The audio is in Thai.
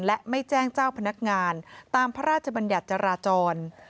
และไม่แจ้งเจ้าพนักงานตามพระราชบัญญัติจราจร